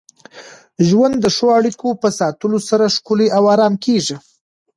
ژوند د ښو اړیکو په ساتلو سره ښکلی او ارام کېږي.